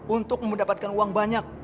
untuk mendapatkan uang banyak